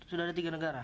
sudah ada tiga negara